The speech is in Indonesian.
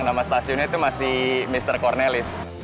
nama stasiunnya itu masih mr cornelis